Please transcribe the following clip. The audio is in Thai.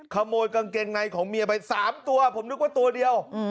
ขโมยกางเกงในของเมียไป๓ตัวผมนึกว่าตัวเดียว